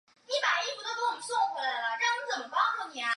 她很担心大儿子